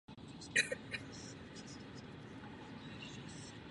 Ve Španělsku se rodině dařilo.